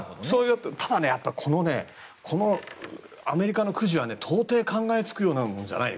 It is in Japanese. ただ、このアメリカのくじは到底考えつくようなものじゃない。